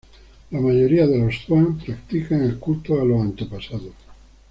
La mayoría de los zhuang practica el culto a los antepasados.